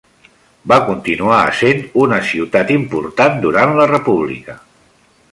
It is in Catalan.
Va continuar essent una ciutat important durant la República.